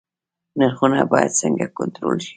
نرخونه باید څنګه کنټرول شي؟